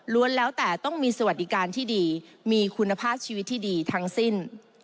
แล้วแต่ต้องมีสวัสดิการที่ดีมีคุณภาพชีวิตที่ดีทั้งสิ้น